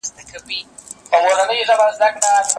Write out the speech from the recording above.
توره شپه ده مرمۍ اوري نه پوهیږو څوک مو ولي